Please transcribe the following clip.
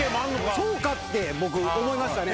そうかって思いましたね。